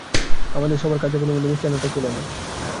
আমাদের সভার কার্যাবলীর মধ্যে মিষ্টান্নটা ছিল না।